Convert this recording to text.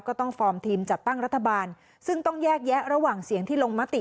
ฟอร์มทีมจัดตั้งรัฐบาลซึ่งต้องแยกแยะระหว่างเสียงที่ลงมติ